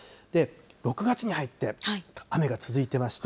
６月に入って雨が続いてまして。